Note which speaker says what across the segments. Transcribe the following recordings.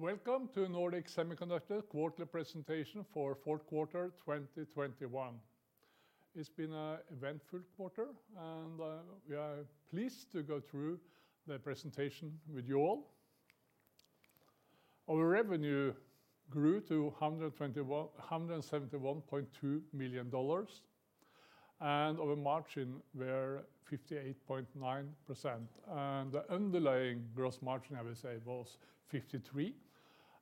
Speaker 1: Welcome to Nordic Semiconductor quarterly presentation for fourth quarter 2021. We are pleased to go through the presentation with you all. Our revenue grew to $171.2 million. Our margin were 58.9%. The underlying gross margin, I will say, was 53,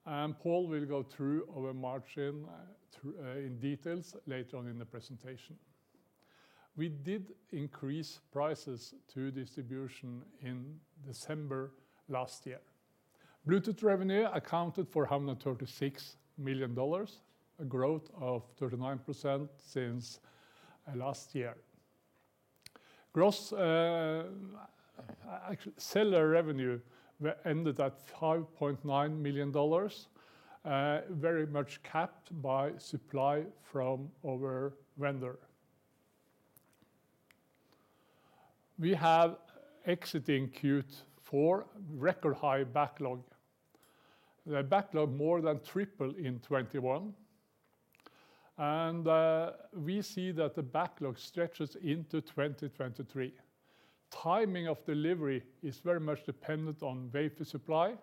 Speaker 1: and Pål will go through our margin in details later on in the presentation. We did increase prices to distribution in December last year. Bluetooth revenue accounted for $136 million, a growth of 39% since last year. Cellular revenue ended at $5.9 million, very much capped by supply from our vendor. We have exiting Q4 record high backlog. The backlog more than tripled in 2021. We see that the backlog stretches into 2023. Timing of delivery is very much dependent on wafer supply,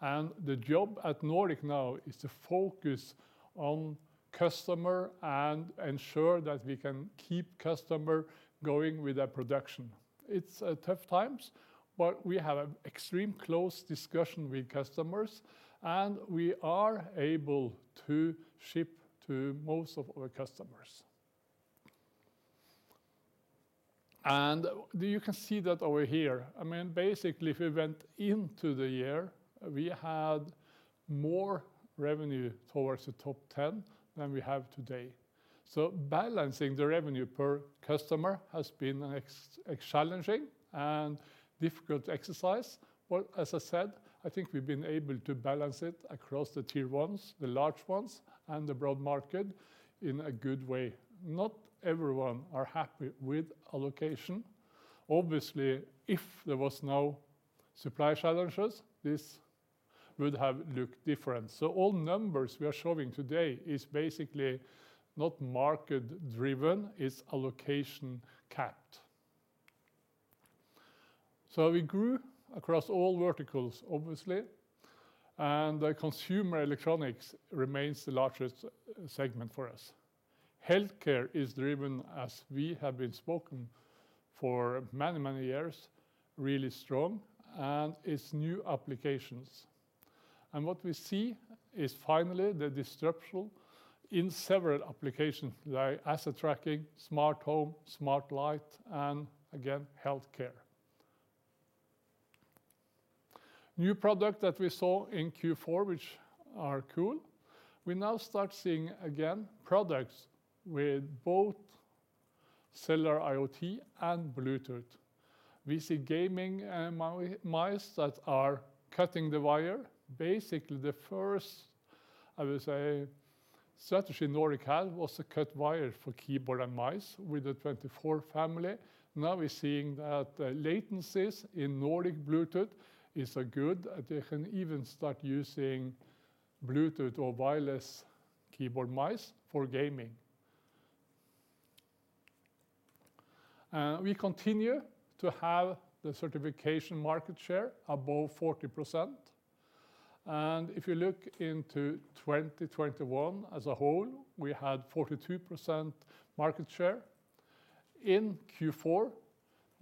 Speaker 1: and the job at Nordic now is to focus on customer and ensure that we can keep customer going with their production. It's tough times, but we have an extreme close discussion with customers, and we are able to ship to most of our customers. You can see that over here. Basically, if we went into the year, we had more revenue towards the top 10 than we have today. Balancing the revenue per customer has been a challenging and difficult exercise. As I said, I think we've been able to balance it across the tier ones, the large ones, and the broad market in a good way. Not everyone are happy with allocation. Obviously, if there was no supply challenges, this would have looked different. All numbers we are showing today is basically not market-driven, it's allocation-capped. We grew across all verticals, obviously, and the consumer electronics remains the largest segment for us. Healthcare is driven, as we have been spoken for many years, really strong, and it's new applications. What we see is finally the disruption in several applications like asset tracking, smart home, smart light, and again, healthcare. New product that we saw in Q4, which are cool. We now start seeing, again, products with both cellular IoT and Bluetooth. We see gaming mice that are cutting the wire. Basically, the first, I would say, strategy Nordic had was to cut wire for keyboard and mice with the nRF24 family. Now we're seeing that latencies in Nordic Bluetooth is good. They can even start using Bluetooth or wireless keyboard, mice for gaming. We continue to have the certification market share above 40%. If you look into 2021 as a whole, we had 42% market share. In Q4,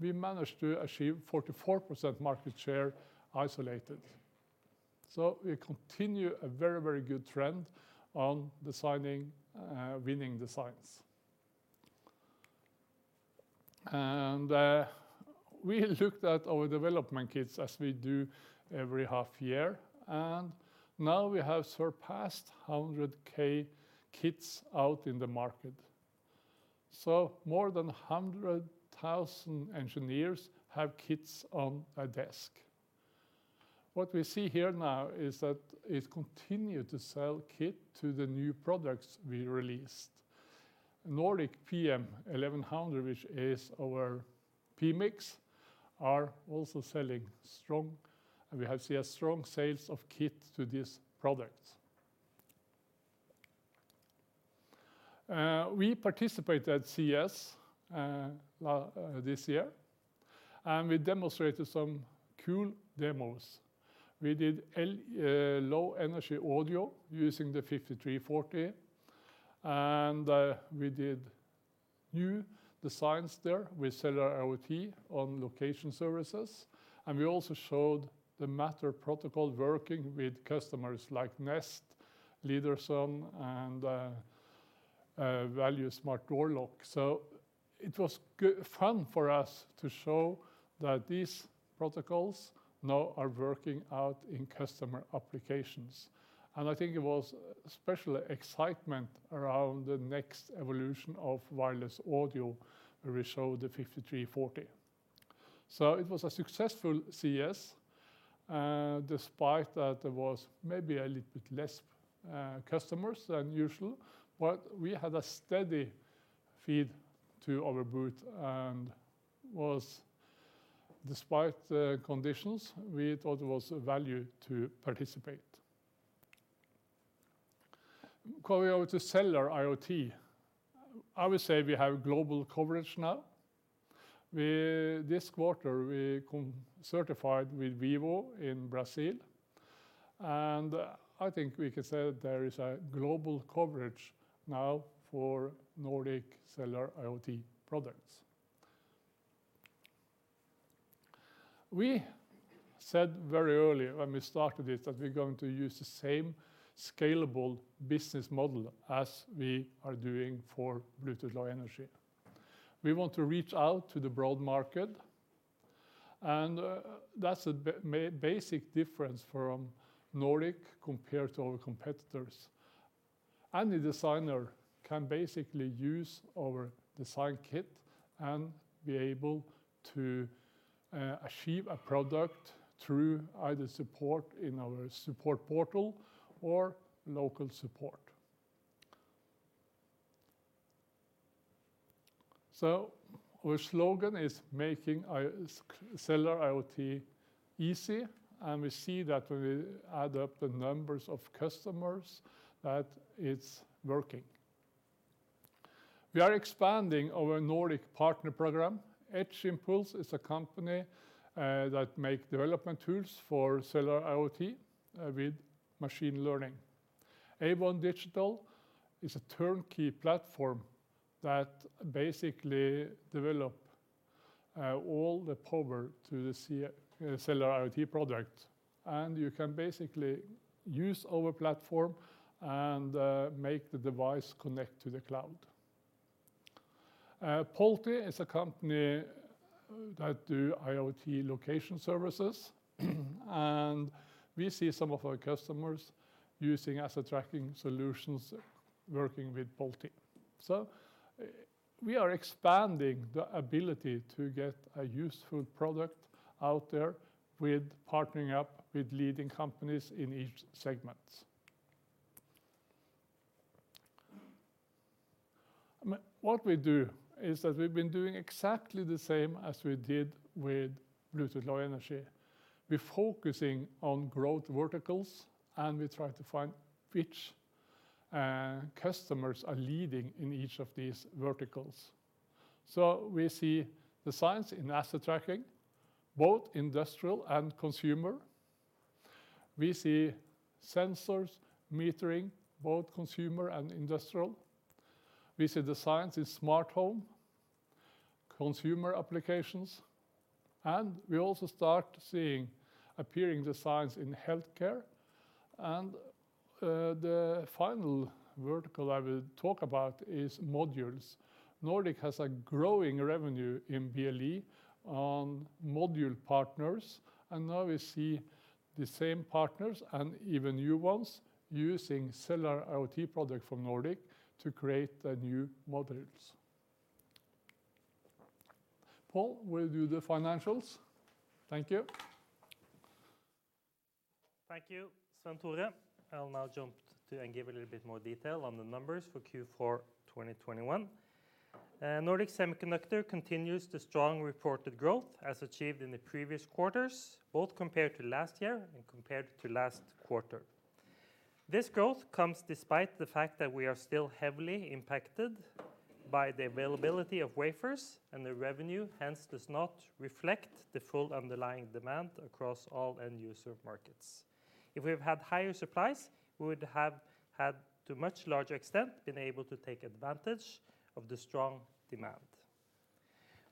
Speaker 1: we managed to achieve 44% market share isolated. We continue a very good trend on winning designs. We looked at our development kits, as we do every half year, and now we have surpassed 100,000 kits out in the market. More than 100,000 engineers have kits on a desk. What we see here now is that it continue to sell kit to the new products we released. nPM1100, which is our PMICs, are also selling strong, and we have seen a strong sales of kit to this product. We participated at CES this year, and we demonstrated some cool demos. We did LE Audio using the nRF5340, and we did new designs there with cellular IoT on location services. We also showed the Matter protocol working with customers like Nest, Leedarson, and Yale Smart Door Lock. It was fun for us to show that these protocols now are working out in customer applications. I think it was special excitement around the next evolution of wireless audio where we showed the nRF5340. It was a successful CES, despite that there was maybe a little bit less customers than usual. We had a steady feed to our booth and was Despite the conditions, we thought it was of value to participate. Going over to cellular IoT, I would say we have global coverage now. This quarter, we certified with Vivo in Brazil. I think we can say that there is a global coverage now for Nordic cellular IoT products. We said very early when we started this that we're going to use the same scalable business model as we are doing for Bluetooth Low Energy. We want to reach out to the broad market. That's a basic difference from Nordic compared to our competitors. Any designer can basically use our design kit and be able to achieve a product through either support in our support portal or local support. Our slogan is making cellular IoT easy. We see that when we add up the numbers of customers, that it's working. We are expanding our Nordic partner program. Edge Impulse is a company that make development tools for cellular IoT with machine learning. A1 Digital is a turnkey platform that basically develop all the power to the cellular IoT product. You can basically use our platform and make the device connect to the cloud. Polte is a company that do IoT location services. We see some of our customers using asset tracking solutions working with Polte. We are expanding the ability to get a useful product out there with partnering up with leading companies in each segment. What we do is that we've been doing exactly the same as we did with Bluetooth Low Energy. We're focusing on growth verticals. We try to find which customers are leading in each of these verticals. We see designs in asset tracking, both industrial and consumer. We see sensors, metering, both consumer and industrial. We see designs in smart home, consumer applications. We also start seeing appearing designs in healthcare. The final vertical I will talk about is modules. Nordic has a growing revenue in BLE on module partners. Now we see the same partners and even new ones using cellular IoT product from Nordic to create the new modules. Pål will do the financials. Thank you.
Speaker 2: Thank you, Svenn-Tore. I'll now jump to and give a little bit more detail on the numbers for Q4 2021. Nordic Semiconductor continues the strong reported growth as achieved in the previous quarters, both compared to last year and compared to last quarter. This growth comes despite the fact that we are still heavily impacted by the availability of wafers, and the revenue, hence, does not reflect the full underlying demand across all end user markets. If we have had higher supplies, we would have had, to much larger extent, been able to take advantage of the strong demand.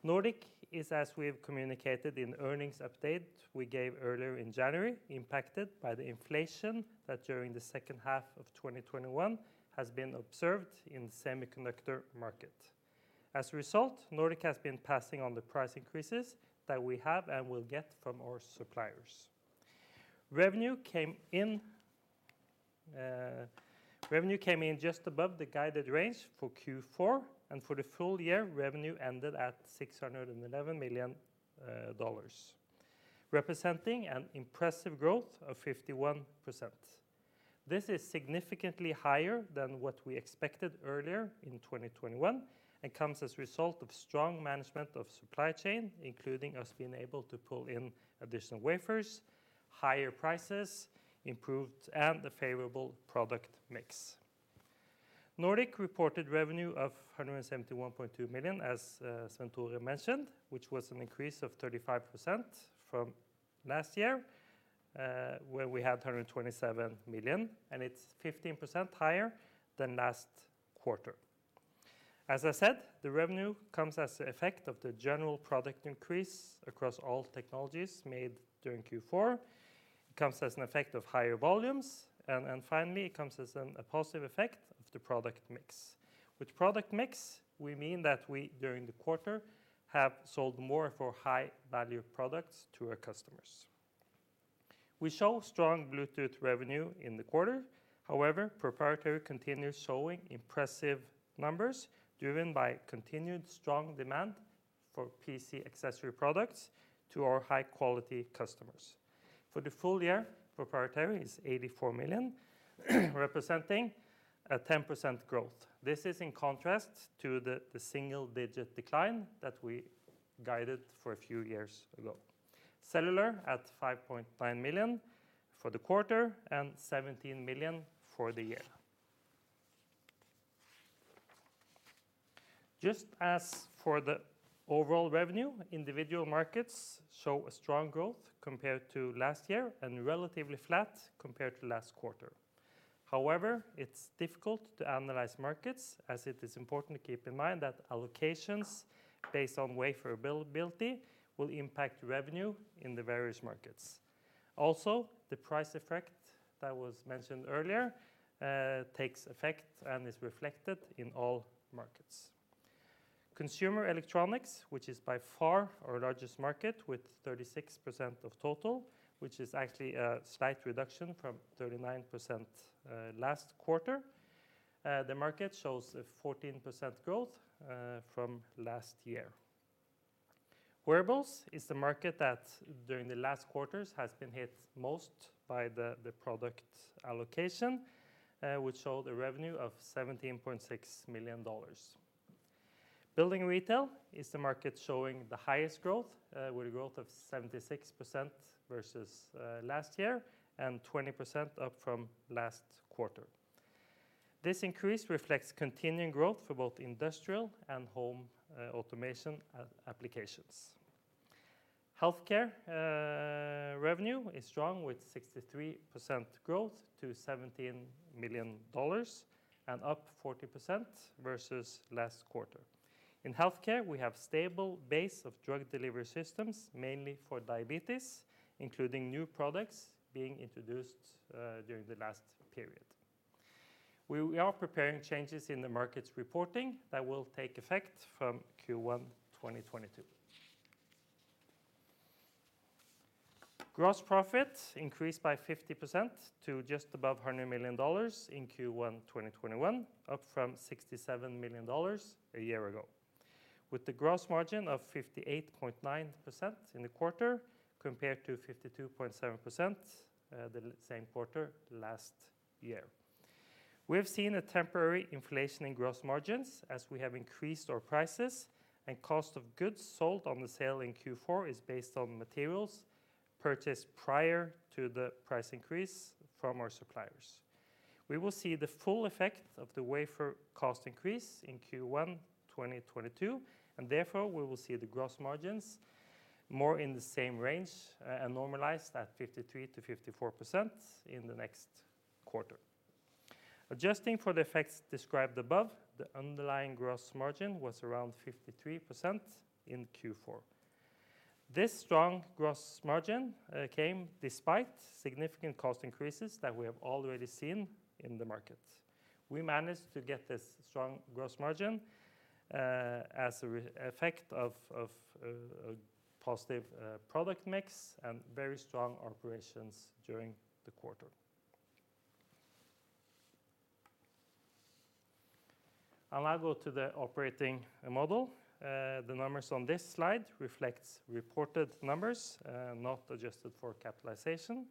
Speaker 2: Nordic is, as we have communicated in earnings update we gave earlier in January, impacted by the inflation that during the second half of 2021 has been observed in semiconductor market. As a result, Nordic has been passing on the price increases that we have and will get from our suppliers. Revenue came in just above the guided range for Q4, and for the full year, revenue ended at $611 million, representing an impressive growth of 51%. This is significantly higher than what we expected earlier in 2021 and comes as a result of strong management of supply chain, including us being able to pull in additional wafers, higher prices, improved, and the favorable product mix. Nordic reported revenue of $171.2 million, as Svenn-Tore mentioned, which was an increase of 35% from last year, where we had $127 million, and it's 15% higher than last quarter. As I said, the revenue comes as an effect of the general product increase across all technologies made during Q4. It comes as an effect of higher volumes and finally, it comes as a positive effect of the product mix. With product mix, we mean that we, during the quarter, have sold more for high-value products to our customers. We show strong Bluetooth revenue in the quarter. However, proprietary continues showing impressive numbers driven by continued strong demand for PC accessory products to our high-quality customers. For the full year, proprietary is $84 million, representing a 10% growth. This is in contrast to the single-digit decline that we guided for a few years ago. Cellular at $5.9 million for the quarter and $17 million for the year. Just as for the overall revenue, individual markets show a strong growth compared to last year and relatively flat compared to last quarter. However, it's difficult to analyze markets, as it is important to keep in mind that allocations based on wafer availability will impact revenue in the various markets. Also, the price effect that was mentioned earlier takes effect and is reflected in all markets. Consumer electronics, which is by far our largest market with 36% of total, which is actually a slight reduction from 39% last quarter. The market shows a 14% growth from last year. Wearables is the market that during the last quarters has been hit most by the product allocation, which show the revenue of $17.6 million. Building and retail is the market showing the highest growth, with a growth of 76% versus last year and 20% up from last quarter. This increase reflects continuing growth for both industrial and home automation applications. Healthcare revenue is strong, with 63% growth to $17 million and up 40% versus last quarter. In healthcare, we have stable base of drug delivery systems, mainly for diabetes, including new products being introduced during the last period. We are preparing changes in the markets reporting that will take effect from Q1 2022. Gross profit increased by 50% to just above $100 million in Q1 2021, up from $67 million a year ago, with the gross margin of 58.9% in the quarter, compared to 52.7% the same quarter last year. We have seen a temporary inflation in gross margins, as we have increased our prices, and cost of goods sold on the sale in Q4 is based on materials purchased prior to the price increase from our suppliers. Therefore, we will see the full effect of the wafer cost increase in Q1 2022, we will see the gross margins more in the same range and normalized at 53%-54% in the next quarter. Adjusting for the effects described above, the underlying gross margin was around 53% in Q4. This strong gross margin came despite significant cost increases that we have already seen in the market. We managed to get this strong gross margin as an effect of a positive product mix and very strong operations during the quarter. I'll go to the operating model. The numbers on this slide reflects reported numbers, not adjusted for capitalization.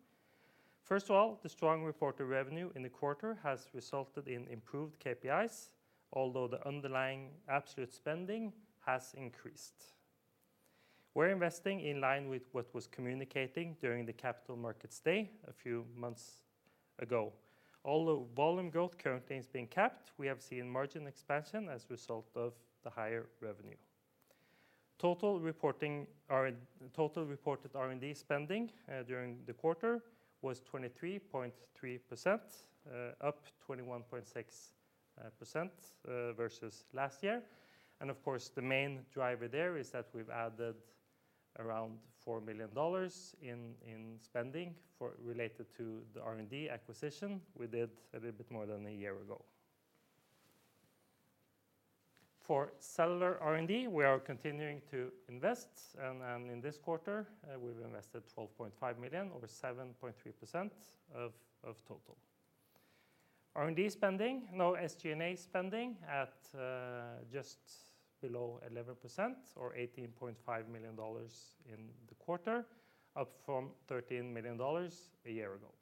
Speaker 2: First of all, the strong reported revenue in the quarter has resulted in improved KPIs, although the underlying absolute spending has increased. We're investing in line with what was communicating during the Capital Markets Day a few months ago. Although volume growth currently is being capped, we have seen margin expansion as a result of the higher revenue. Total reported R&D spending during the quarter was 23.3%, up 21.6% versus last year. Of course, the main driver there is that we've added around $4 million in spending related to the R&D acquisition we did a little bit more than a year ago. For cellular R&D, we are continuing to invest, and in this quarter, we've invested 12.5 million, over 7.3% of total. R&D spending, Now SG&A spending at just below 11% or $18.5 million in the quarter, up from $13 million a year ago.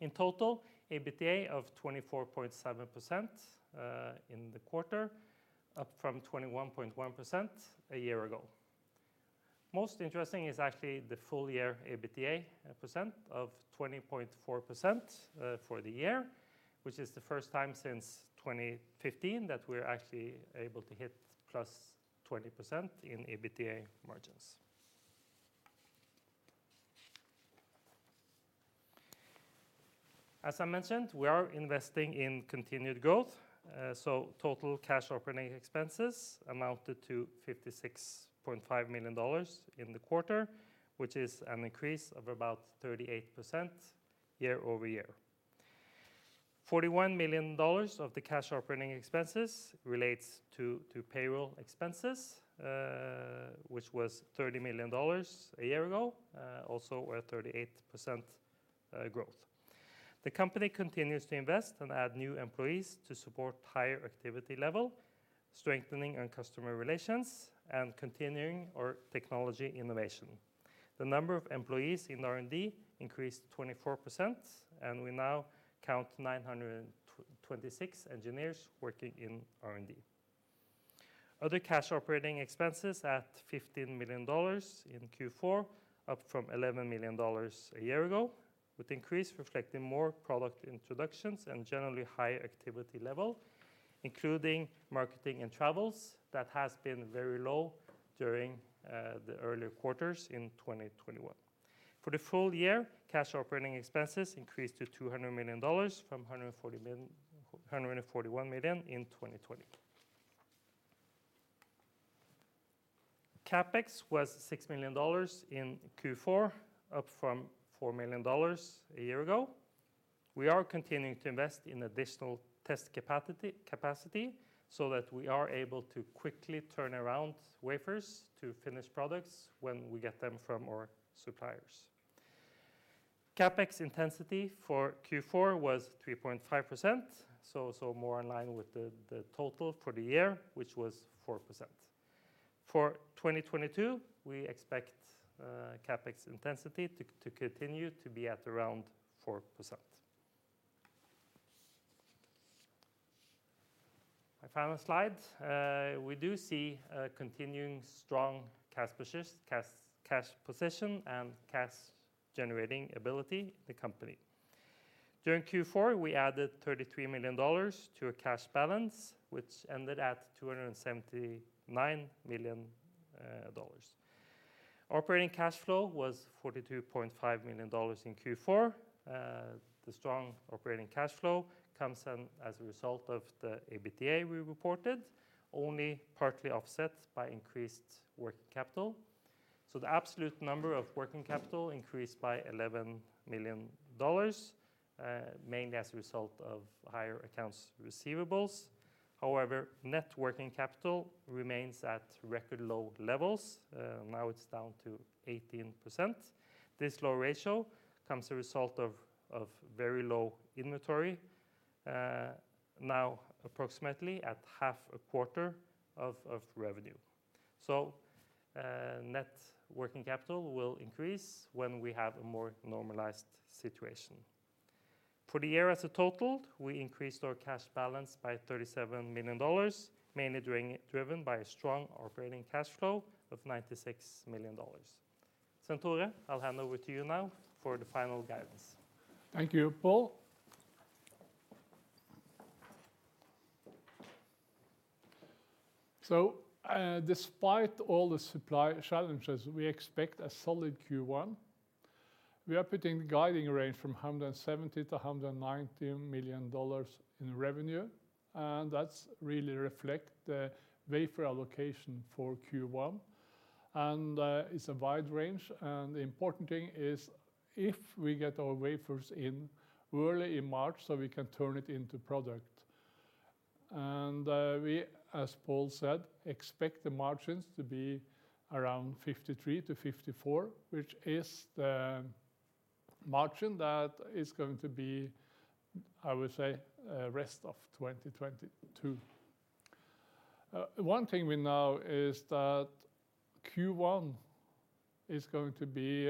Speaker 2: In total, EBITDA of 24.7% in the quarter, up from 21.1% a year ago. Most interesting is actually the full year EBITDA percent of 20.4% for the year, which is the first time since 2015 that we're actually able to hit +20% in EBITDA margins. As I mentioned, we are investing in continued growth. Total cash operating expenses amounted to $56.5 million in the quarter, which is an increase of about 38% year-over-year. $41 million of the cash operating expenses relates to payroll expenses, which was $30 million a year ago, also a 38% growth. The company continues to invest and add new employees to support higher activity level, strengthening our customer relations, and continuing our technology innovation. The number of employees in R&D increased 24%, and we now count 926 engineers working in R&D. Other cash operating expenses at $15 million in Q4, up from $11 million a year ago, with increase reflecting more product introductions and generally higher activity level, including marketing and travels that has been very low during the earlier quarters in 2021. For the full year, cash operating expenses increased to $200 million from $141 million in 2020. CapEx was $6 million in Q4, up from $4 million a year ago. We are continuing to invest in additional test capacity, that we are able to quickly turn around wafers to finished products when we get them from our suppliers. CapEx intensity for Q4 was 3.5%. More in line with the total for the year, which was 4%. For 2022, we expect CapEx intensity to continue to be at around 4%. My final slide. We do see a continuing strong cash position and cash-generating ability in the company. During Q4, we added $33 million to a cash balance, which ended at $279 million. Operating cash flow was $42.5 million in Q4. The strong operating cash flow comes in as a result of the EBITDA we reported, only partly offset by increased working capital. The absolute number of working capital increased by $11 million, mainly as a result of higher accounts receivables. However, net working capital remains at record low levels. Now it's down to 18%. This low ratio comes a result of very low inventory. Now approximately at half a quarter of revenue. Net working capital will increase when we have a more normalized situation. For the year as a total, we increased our cash balance by $37 million, mainly driven by a strong operating cash flow of $96 million. Svenn-Tore, I'll hand over to you now for the final guidance.
Speaker 1: Thank you, Pål. Despite all the supply challenges, we expect a solid Q1. We are putting the guiding range from $170 million to $190 million in revenue, and that's really reflect the wafer allocation for Q1. It's a wide range, and the important thing is if we get our wafers in early in March, so we can turn it into product. We, as Pål said, expect the margins to be around 53% to 54%, which is the margin that is going to be, I would say, rest of 2022. One thing we know is that Q1 is going to be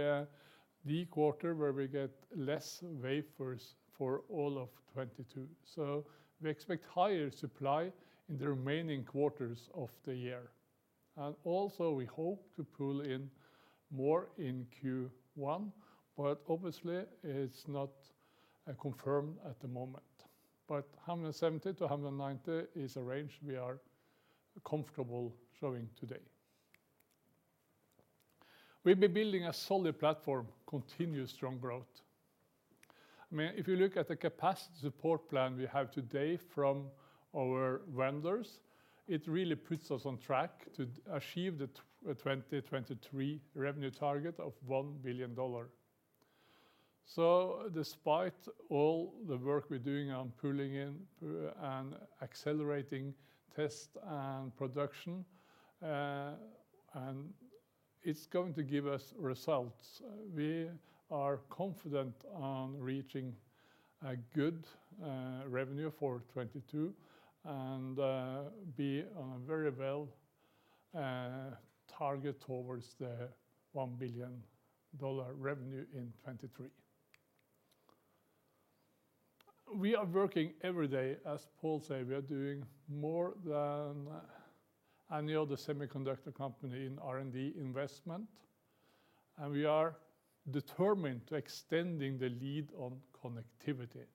Speaker 1: the quarter where we get less wafers for all of 2022. We expect higher supply in the remaining quarters of the year. Also we hope to pull in more in Q1, but obviously, it's not confirmed at the moment. 170 to 190 is a range we are comfortable showing today. We've been building a solid platform, continued strong growth. If you look at the capacity support plan we have today from our vendors, it really puts us on track to achieve the 2023 revenue target of $1 billion. Despite all the work we're doing on pulling in and accelerating test and production, and it's going to give us results. We are confident on reaching a good revenue for 2022, and be on a very well target towards the $1 billion revenue in 2023. We are working every day. As Pål say, we are doing more than any other semiconductor company in R&D investment, and we are determined to extending the lead on connectivity.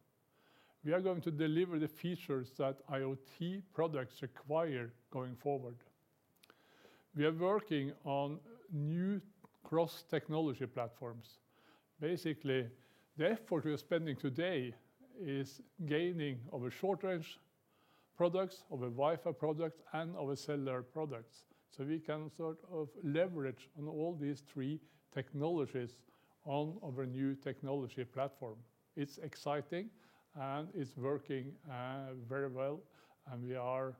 Speaker 1: We are going to deliver the features that IoT products require going forward. We are working on new cross-technology platforms. The effort we are spending today is gaining our short-range products, our Wi-Fi products, and our cellular products. We can leverage on all these three technologies on our new technology platform. It's exciting, it's working very well, we are,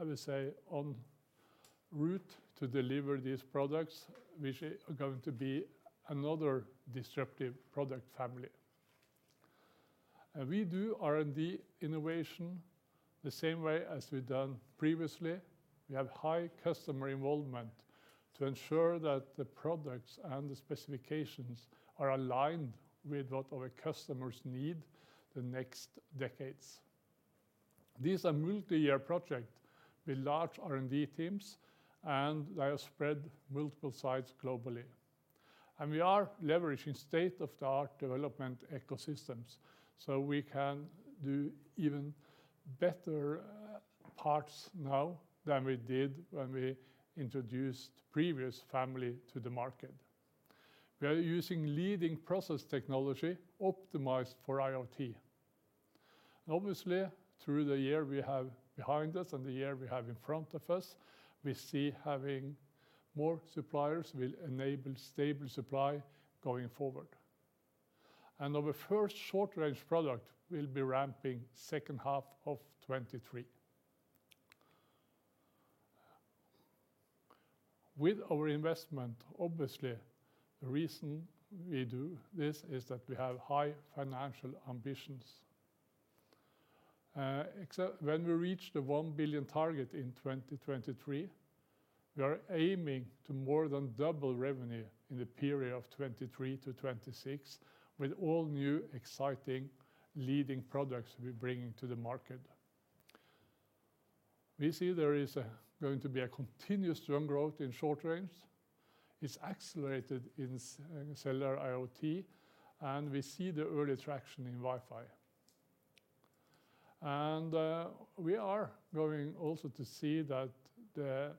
Speaker 1: I would say on Route to deliver these products, which are going to be another disruptive product family. We do R&D innovation the same way as we've done previously. We have high customer involvement to ensure that the products and the specifications are aligned with what our customers need the next decades. These are multi-year project with large R&D teams, they are spread multiple sites globally. We are leveraging state-of-the-art development ecosystems, we can do even better parts now than we did when we introduced previous family to the market. We are using leading process technology optimized for IoT. Obviously, through the year we have behind us and the year we have in front of us, we see having more suppliers will enable stable supply going forward. Our first short-range product will be ramping second half of 2023. With our investment, obviously, the reason we do this is that we have high financial ambitions. When we reach the $1 billion target in 2023, we are aiming to more than double revenue in the period of 2023 to 2026 with all-new, exciting leading products we're bringing to the market. We see there is going to be a continuous strong growth in short range. It's accelerated in cellular IoT, we see the early traction in Wi-Fi. We are going also to see that the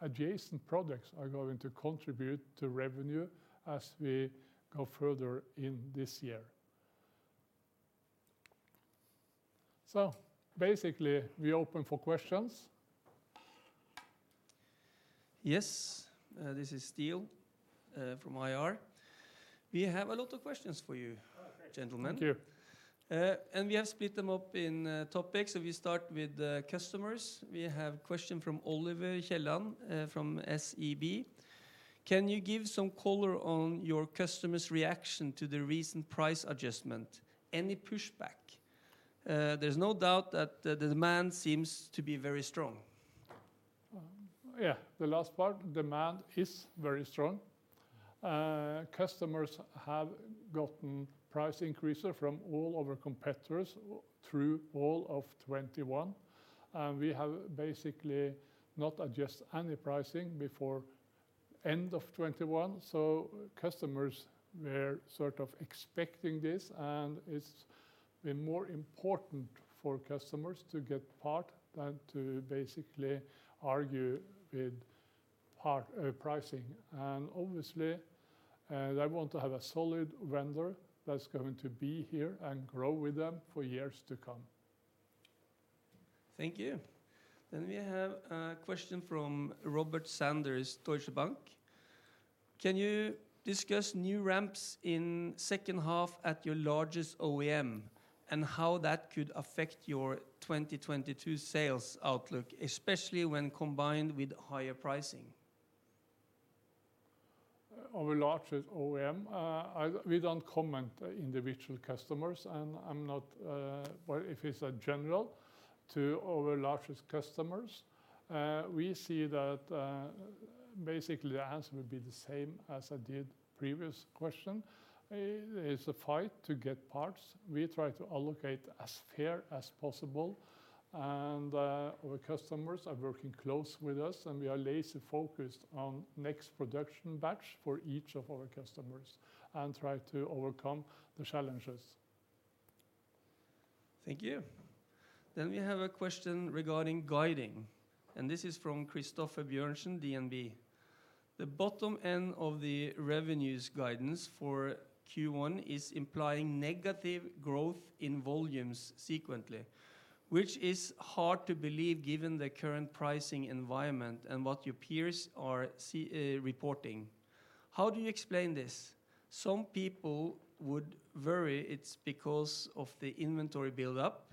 Speaker 1: adjacent products are going to contribute to revenue as we go further in this year. Basically, we open for questions.
Speaker 3: Yes. This is Ståle from IR. We have a lot of questions for you.
Speaker 1: Oh, great.
Speaker 3: gentlemen.
Speaker 1: Thank you.
Speaker 3: We have split them up in topics, and we start with customers. We have question from Oliver Kielland from SEB. Can you give some color on your customers' reaction to the recent price adjustment? Any pushback? There's no doubt that the demand seems to be very strong.
Speaker 1: Yeah, the last part, demand is very strong. Customers have gotten price increases from all of our competitors through all of 2021. We have basically not adjust any pricing before end of 2021, so customers were sort of expecting this, and it's been more important for customers to get part than to basically argue with pricing. Obviously, they want to have a solid vendor that's going to be here and grow with them for years to come.
Speaker 3: Thank you. We have a question from Robert Sanders, Deutsche Bank. Can you discuss new ramps in second half at your largest OEM, and how that could affect your 2022 sales outlook, especially when combined with higher pricing?
Speaker 1: Our largest OEM. We don't comment individual customers. I'm not Well, if it's a general to our largest customers, we see that basically the answer would be the same as I did previous question. It's a fight to get parts. We try to allocate as fair as possible. Our customers are working close with us, and we are laser-focused on next production batch for each of our customers and try to overcome the challenges.
Speaker 3: Thank you. We have a question regarding guiding, and this is from Christoffer Wang Bjørnsen, DNB. The bottom end of the revenues guidance for Q1 is implying negative growth in volumes sequentially, which is hard to believe given the current pricing environment and what your peers are reporting. How do you explain this? Some people would worry it's because of the inventory buildup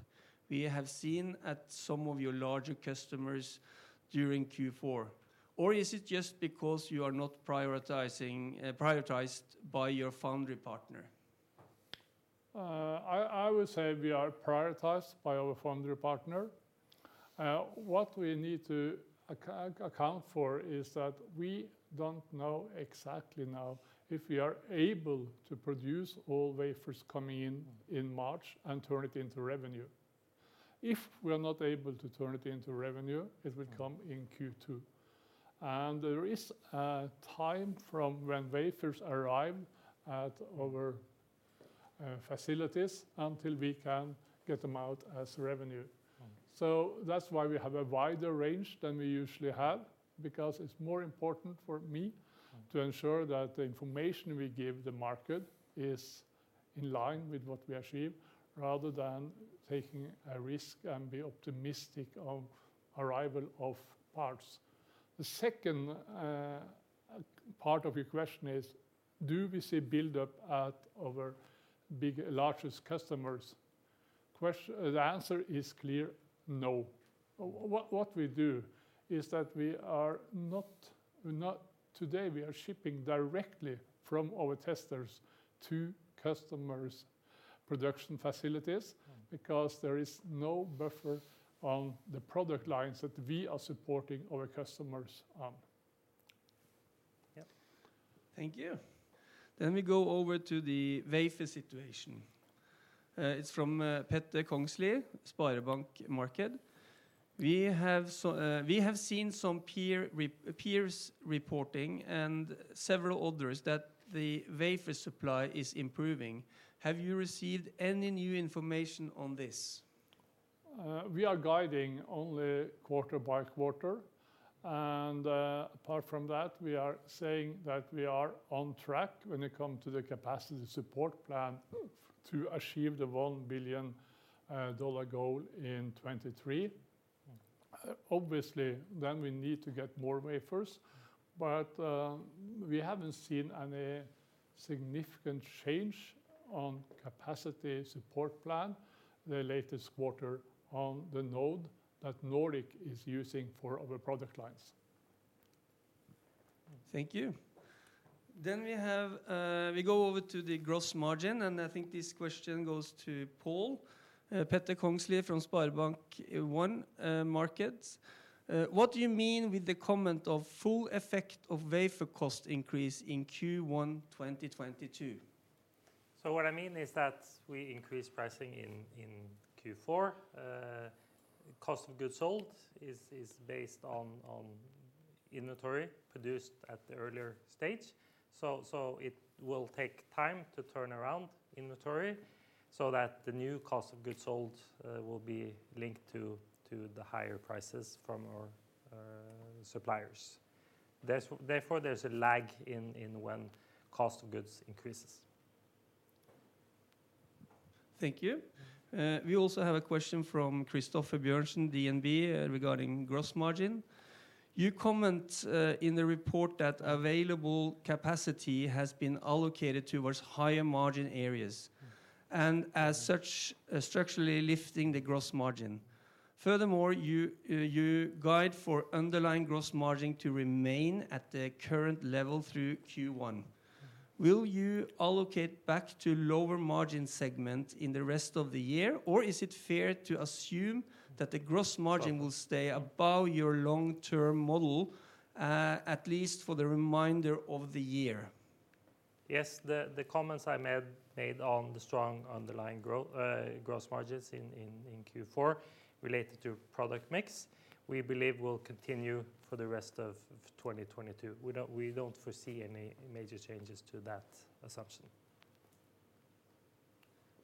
Speaker 3: we have seen at some of your larger customers during Q4. Is it just because you are not prioritized by your foundry partner?
Speaker 1: I would say we are prioritized by our foundry partner. What we need to account for is that we don't know exactly now if we are able to produce all wafers coming in in March and turn it into revenue. If we are not able to turn it into revenue, it will come in Q2. There is a time from when wafers arrive at our facilities until we can get them out as revenue.
Speaker 3: Okay.
Speaker 1: That's why we have a wider range than we usually have because it's more important for me to ensure that the information we give the market is in line with what we achieve, rather than taking a risk and be optimistic of arrival of parts. The second part of your question is, do we see buildup at our largest customers? The answer is clear, no. What we do is that today, we are shipping directly from our testers to customers' production facilities because there is no buffer on the product lines that we are supporting our customers on.
Speaker 3: Thank you. We go over to the wafer situation. It is from Petter Kongslie, SpareBank 1 Markets. We have seen some peers reporting and several others that the wafer supply is improving. Have you received any new information on this?
Speaker 1: We are guiding only quarter by quarter. Apart from that, we are saying that we are on track when it comes to the capacity support plan to achieve the $1 billion goal in 2023. Obviously, we need to get more wafers, but we haven't seen any significant change on capacity support plan the latest quarter on the node that Nordic is using for our product lines.
Speaker 3: Thank you. We go over to the gross margin. I think this question goes to Pål. Petter Kongslie from SpareBank 1 Markets. What do you mean with the comment of full effect of wafer cost increase in Q1 2022?
Speaker 2: What I mean is that we increase pricing in Q4. Cost of goods sold is based on inventory produced at the earlier stage. It will take time to turn around inventory so that the new cost of goods sold will be linked to the higher prices from our suppliers. Therefore, there is a lag in when cost of goods increases.
Speaker 3: Thank you. We also have a question from Christoffer Bjørnsen, DNB, regarding gross margin. You comment in the report that available capacity has been allocated towards higher margin areas, as such, structurally lifting the gross margin. Furthermore, you guide for underlying gross margin to remain at the current level through Q1. Will you allocate back to lower margin segment in the rest of the year, or is it fair to assume that the gross margin will stay above your long-term model, at least for the remainder of the year?
Speaker 2: Yes, the comments I made on the strong underlying gross margins in Q4 related to product mix, we believe will continue for the rest of 2022. We don't foresee any major changes to that assumption.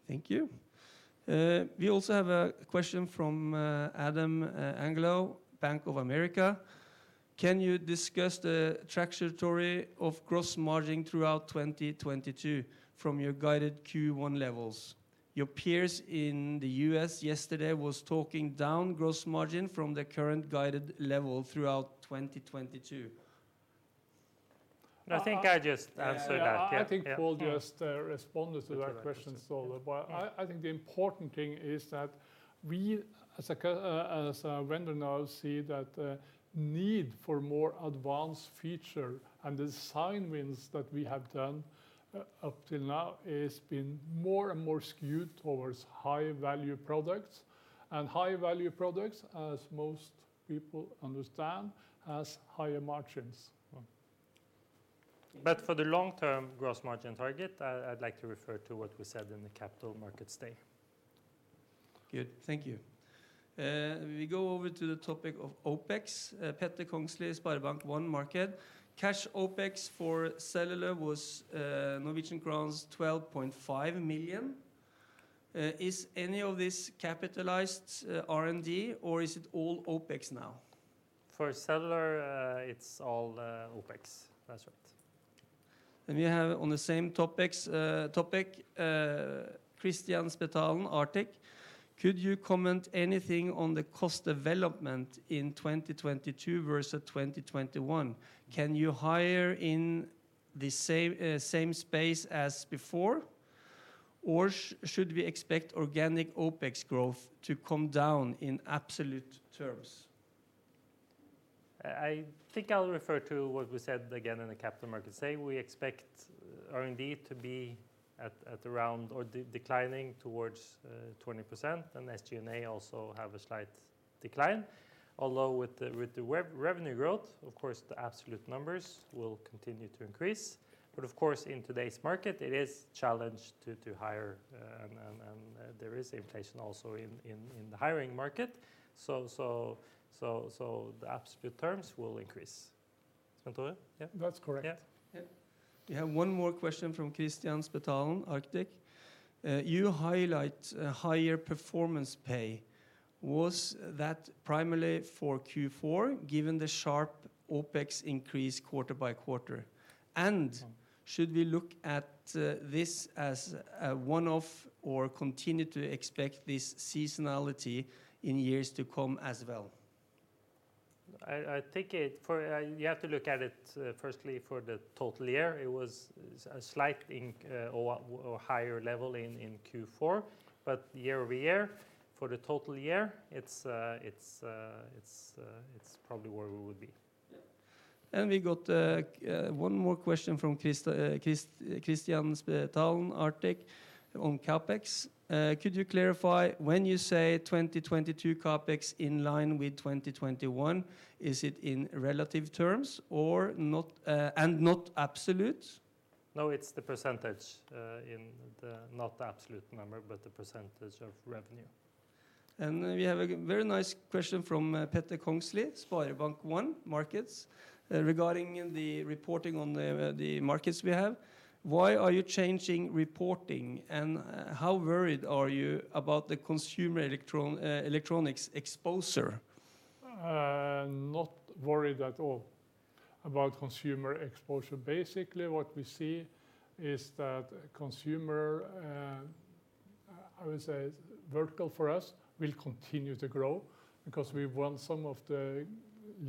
Speaker 3: Thank you. We also have a question from Adam Angel, Bank of America. Can you discuss the trajectory of gross margin throughout 2022 from your guided Q1 levels? Your peers in the U.S. yesterday were talking down gross margin from the current guided level throughout 2022.
Speaker 2: I think I just answered that.
Speaker 1: Yeah. I think Pål just responded to that question, Ståle. I think the important thing is that we, as a vendor now, see that need for more advanced feature, and the design wins that we have done up till now has been more and more skewed towards high-value products. High-value products, as most people understand, has higher margins.
Speaker 2: For the long-term gross margin target, I'd like to refer to what we said in the Capital Markets Day.
Speaker 3: Good. Thank you. We go over to the topic of OpEx. Petter Kongslie, SpareBank 1 Markets. Cash OpEx for cellular was Norwegian crowns 12.5 million. Is any of this capitalized R&D, or is it all OpEx now?
Speaker 2: For cellular, it's all OpEx. That's right.
Speaker 3: We have on the same topic, Kristian Spetalen, Arctic. Could you comment anything on the cost development in 2022 versus 2021? Can you hire in the same space as before, or should we expect organic OpEx growth to come down in absolute terms?
Speaker 2: I think I'll refer to what we said again in the Capital Markets Day. We expect R&D to be declining towards 20%, and SG&A also have a slight decline. Although with the revenue growth, of course, the absolute numbers will continue to increase. Of course, in today's market, it is a challenge to hire, and there is inflation also in the hiring market. The absolute terms will increase. Svenn-Tore? Yeah.
Speaker 1: That's correct.
Speaker 2: Yeah.
Speaker 3: Yeah. We have one more question from Kristian Spetalen, Arctic. You highlight higher performance pay. Was that primarily for Q4, given the sharp OpEx increase quarter by quarter? Should we look at this as a one-off, or continue to expect this seasonality in years to come as well?
Speaker 2: I think you have to look at it firstly for the total year. It was a slight or higher level in Q4. Year-over-year, for the total year, it's probably where we would be.
Speaker 3: Yeah. We got one more question from Kristian Spetalen, Arctic, on CapEx. Could you clarify when you say 2022 CapEx in line with 2021, is it in relative terms and not absolute?
Speaker 2: No, it's the %. Not the absolute number, but the % of revenue.
Speaker 3: We have a very nice question from Petter Kongslie, SpareBank 1 Markets, regarding the reporting on the markets we have. Why are you changing reporting, and how worried are you about the consumer electronics exposure?
Speaker 1: Not worried at all about consumer exposure. Basically, what we see is that consumer, I would say, vertical for us will continue to grow because we won some of the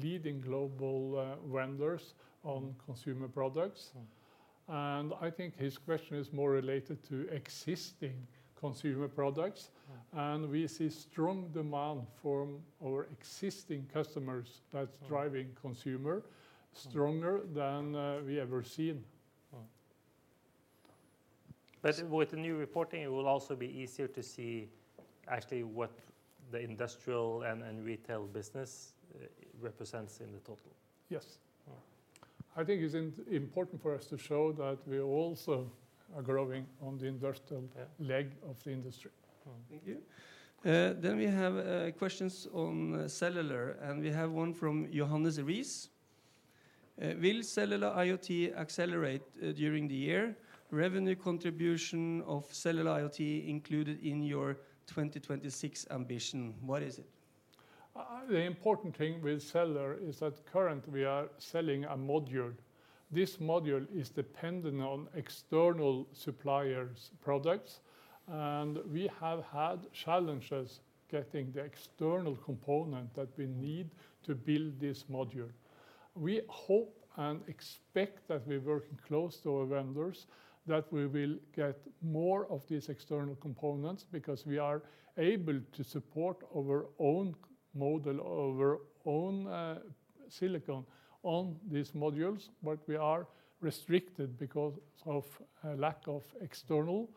Speaker 1: leading global vendors on consumer products. I think his question is more related to existing consumer products. We see strong demand from our existing customers that's driving consumer stronger than we ever seen.
Speaker 3: Oh.
Speaker 2: With the new reporting, it will also be easier to see actually what the industrial and retail business represents in the total.
Speaker 1: Yes.
Speaker 3: Oh.
Speaker 1: I think it's important for us to show that we also are growing on the industrial-
Speaker 2: Yeah
Speaker 1: leg of the industry.
Speaker 3: Thank you. We have questions on cellular. We have one from Johannes Rees. Will cellular IoT accelerate during the year? Revenue contribution of cellular IoT included in your 2026 ambition. What is it?
Speaker 1: The important thing with cellular is that currently we are selling a module. This module is dependent on external suppliers' products, we have had challenges getting the external component that we need to build this module. We hope and expect that we're working close to our vendors, that we will get more of these external components because we are able to support our own module, our own silicon on these modules. We are restricted because of a lack of external.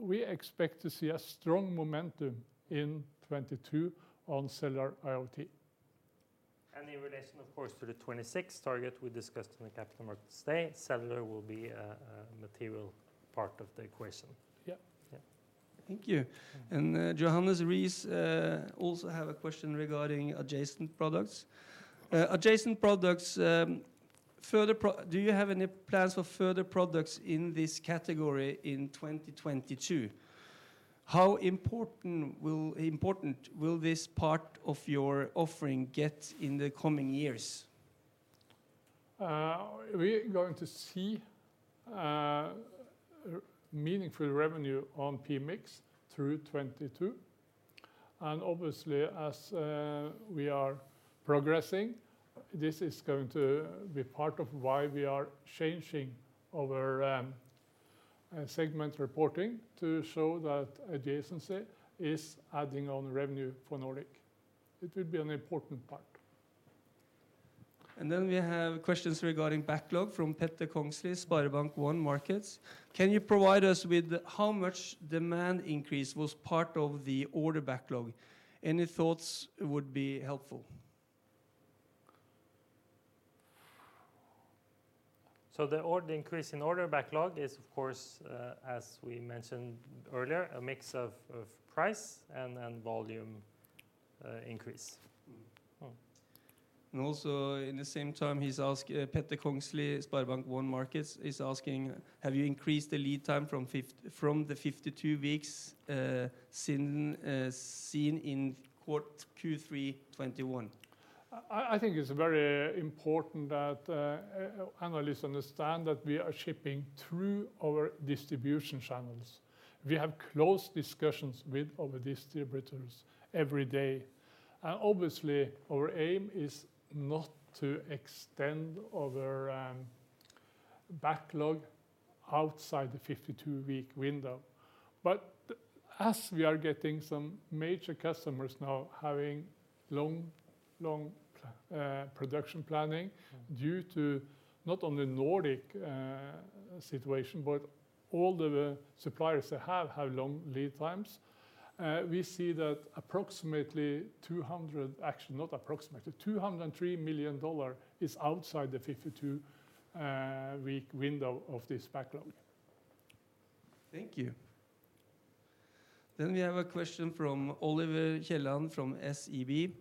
Speaker 1: We expect to see a strong momentum in 2022 on cellular IoT.
Speaker 2: In relation, of course, to the 2026 target we discussed in the Capital Markets Day, cellular will be a material part of the equation.
Speaker 1: Yeah.
Speaker 2: Yeah.
Speaker 3: Thank you. Johannes Rees also have a question regarding adjacent products. Adjacent products, do you have any plans for further products in this category in 2022? How important will this part of your offering get in the coming years?
Speaker 1: We are going to see meaningful revenue on PMIC through 2022. Obviously, as we are progressing, this is going to be part of why we are changing our segment reporting to show that adjacency is adding on revenue for Nordic. It will be an important part.
Speaker 3: We have questions regarding backlog from Petter Kongslie, SpareBank 1 Markets. Can you provide us with how much demand increase was part of the order backlog? Any thoughts would be helpful.
Speaker 2: The increase in order backlog is, of course, as we mentioned earlier, a mix of price and volume increase.
Speaker 3: Also in the same time, Petter Kongslie, SpareBank 1 Markets, is asking, have you increased the lead time from the 52 weeks seen in Q3 2021?
Speaker 1: I think it's very important that analysts understand that we are shipping through our distribution channels. We have close discussions with our distributors every day. Obviously our aim is not to extend our backlog outside the 52-week window. As we are getting some major customers now having long production planning. Due to not only Nordic situation, but all the suppliers that have long lead times, we see that approximately 200, actually not approximately, $203 million is outside the 52-week window of this backlog.
Speaker 3: Thank you. We have a question from Oliver Kielland from SEB.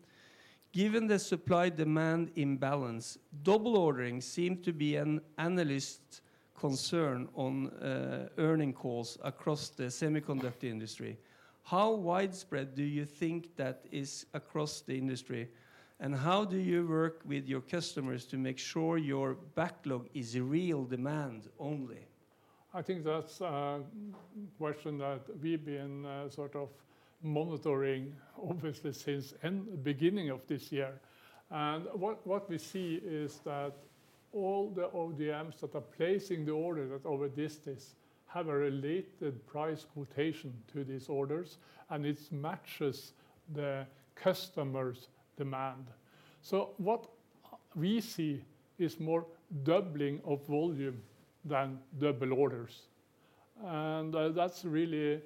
Speaker 3: Given the supply-demand imbalance, double ordering seemed to be an analyst concern on earnings calls across the semiconductor industry. How widespread do you think that is across the industry, and how do you work with your customers to make sure your backlog is real demand only?
Speaker 1: I think that's a question that we've been sort of monitoring, obviously, since the beginning of this year. What we see is that all the ODMs that are placing the orders over distance have a related price quotation to these orders, and it matches the customer's demand. What we see is more doubling of volume than double orders. That's really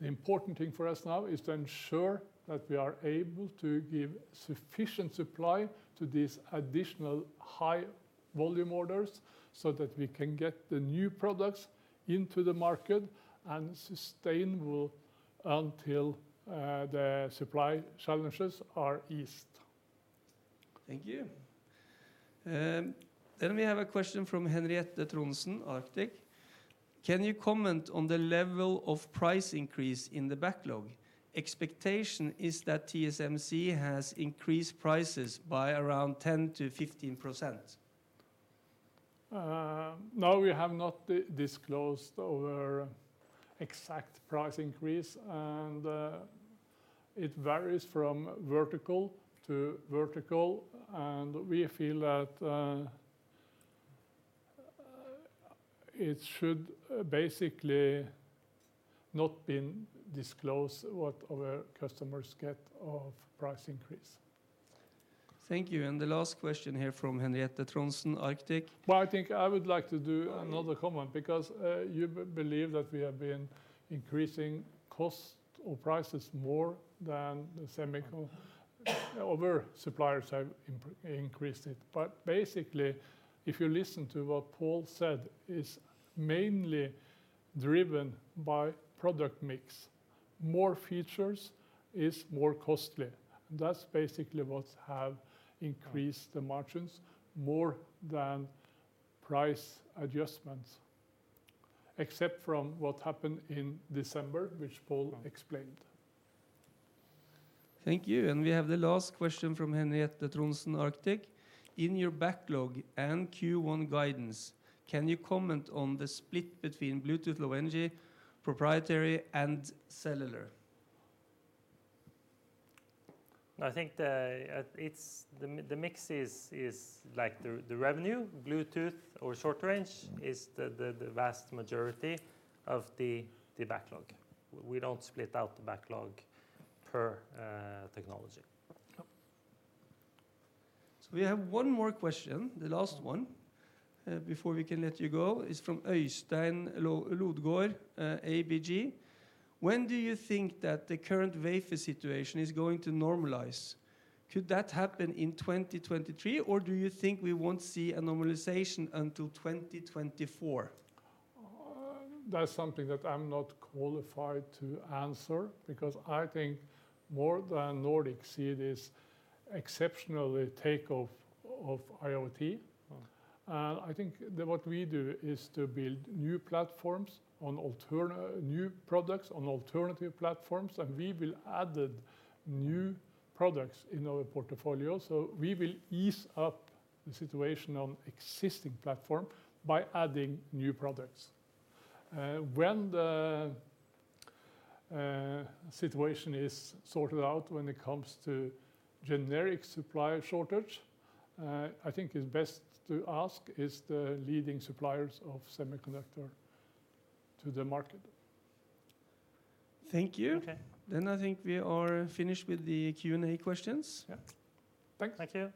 Speaker 1: the important thing for us now, is to ensure that we are able to give sufficient supply to these additional high-volume orders so that we can get the new products into the market and sustainable until the supply challenges are eased.
Speaker 3: Thank you. We have a question from Henriette Trondsen, Arctic. Can you comment on the level of price increase in the backlog? Expectation is that TSMC has increased prices by around 10%-15%.
Speaker 1: No, we have not disclosed our exact price increase, and it varies from vertical to vertical, and we feel that it should basically not been disclosed what our customers get of price increase.
Speaker 3: Thank you. The last question here from Henriette Trondsen, Arctic.
Speaker 1: Well, I think I would like to do another comment because you believe that we have been increasing cost or prices more than the other suppliers have increased it. Basically, if you listen to what Pål said, it's mainly driven by product mix. More features is more costly. That's basically what have increased the margins more than price adjustments, except from what happened in December, which Pål explained.
Speaker 3: Thank you. We have the last question from Henriette Trondsen, Arctic. In your backlog and Q1 guidance, can you comment on the split between Bluetooth Low Energy, proprietary, and cellular?
Speaker 2: I think the mix is like the revenue, Bluetooth or short range is the vast majority of the backlog. We don't split out the backlog per technology.
Speaker 3: We have one more question, the last one, before we can let you go. It's from Øystein Lodgaard, ABG. When do you think that the current wafer situation is going to normalize? Could that happen in 2023, or do you think we won't see a normalization until 2024?
Speaker 1: That's something that I'm not qualified to answer because I think more than Nordic see this exceptional take-off of IoT, I think that what we do is to build new products on alternative platforms, we will add new products in our portfolio. We will ease up the situation on existing platform by adding new products. When the situation is sorted out when it comes to generic supply shortage, I think it's best to ask the leading suppliers of semiconductor to the market.
Speaker 3: Thank you.
Speaker 2: Okay.
Speaker 3: I think we are finished with the Q&A questions.
Speaker 1: Yeah. Thank you.
Speaker 2: Thank you.